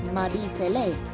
mà đi xé lẻ